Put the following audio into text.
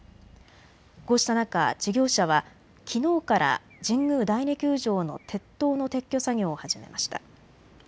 こうした中、事業者はきのうから神宮第二球場の鉄塔の撤去作業を始めました。